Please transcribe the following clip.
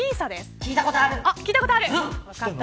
聞いたことある。